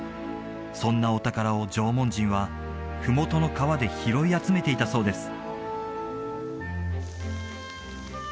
そんなお宝を縄文人は麓の川で拾い集めていたそうです